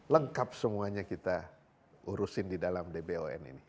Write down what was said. lengkap semuanya kita urusin di dalam dbon ini